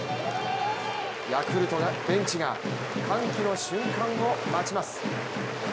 ヤクルトベンチが歓喜の瞬間を待ちます。